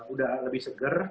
udah lebih seger